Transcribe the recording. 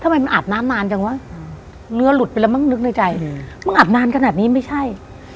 ทำไมมันอาบน้ำนานจังวะเนื้อหลุดไปแล้วมั้งนึกในใจมึงอาบนานขนาดนี้ไม่ใช่